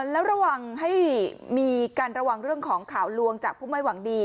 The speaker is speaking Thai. แล้วระวังให้มีการระวังเรื่องของข่าวลวงจากผู้ไม่หวังดี